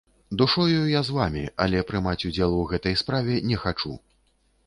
Душою я з вамі, але прымаць удзел у гэтай справе не хачу!